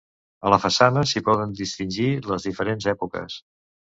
A la façana s'hi poden distingir les diferents èpoques.